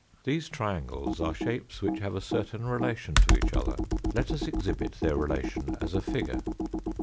These triangles are shapes which have a certain relation to each other. Let us exhibit their relation as a figure.